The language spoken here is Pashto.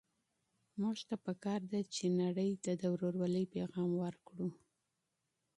موږ ته په کار ده چي نړۍ ته د ورورولۍ پيغام ورکړو.